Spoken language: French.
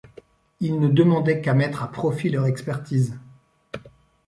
Ils ne demandaient qu'à mettre à profit leur expertise.